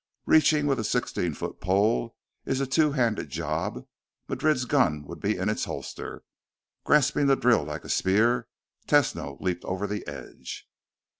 Reaching with a sixteen foot pole is a two handed job; Madrid's gun would be in its holster. Grasping the drill like a spear, Tesno leaped over the edge.